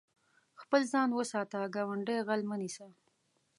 خپل ځان وساته، ګاونډی غل مه نيسه.